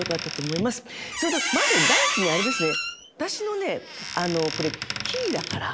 それとまず第一にあれですね。